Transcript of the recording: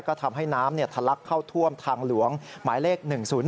ก็ทำให้น้ำทะลักเข้าท่วมทางหลวงหมายเลข๑๐๔